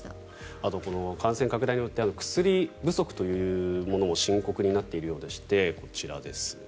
あと、感染拡大によって薬不足というものも深刻になっているようでしてこちらです。